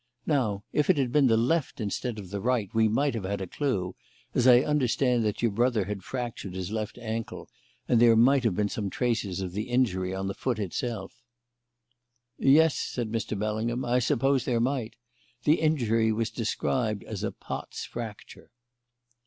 Now, if it had been the left instead of the right we might have had a clue, as I understand that your brother had fractured his left ankle, and there might have been some traces of the injury on the foot itself." "Yes," said Mr. Bellingham, "I suppose there might. The injury was described as a Pott's fracture."